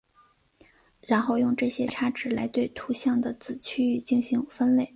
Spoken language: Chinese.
然后用这些差值来对图像的子区域进行分类。